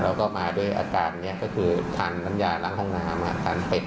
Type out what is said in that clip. แล้วก็มาด้วยอาการนี้ก็คือทานน้ำยาล้างห้องน้ำทานเป็ด